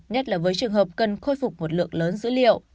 nhất là với trường hợp cần khôi phục một lượng lớn dữ liệu